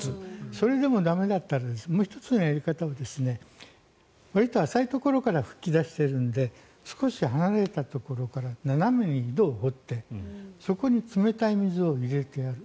それでも駄目だったらもう１つのやり方はわりと浅いところから噴き出しているので少し離れたところから斜めに井戸を掘ってそこに冷たい水を入れてやる。